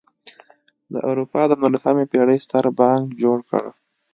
د اروپا د نولسمې پېړۍ ستر بانک جوړ کړ.